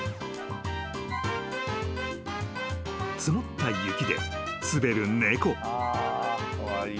［積もった雪で滑る猫］